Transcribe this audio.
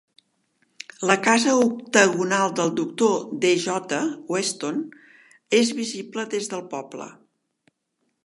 La casa octagonal del Dr. D. J. Weston és visible des del poble.